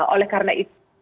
oleh karena itu